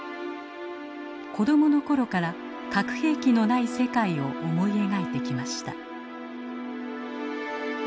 子供の頃から核兵器のない世界を思い描いてきました。